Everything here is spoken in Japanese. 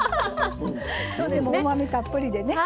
どれもうまみたっぷりでね。